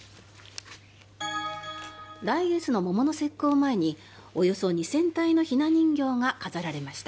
来月の桃の節句を前におよそ２０００体のひな人形が飾られました。